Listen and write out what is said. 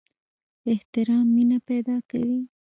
احترام مینه پیدا کوي